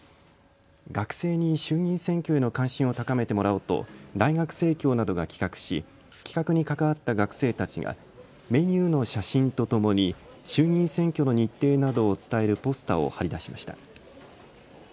学生に衆議院選挙への関心を高めてもらおうと大学生協などが企画し企画に関わった学生たちがメニューの写真とともに衆議院選挙の日程などを伝えるポスターを貼り出しました。